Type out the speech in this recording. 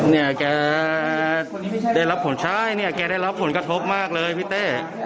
เนี่ยแกได้รับผลใช่เนี่ยแกได้รับผลกระทบมากเลยพี่เต้